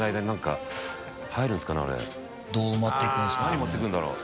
なに持ってくるんだろう？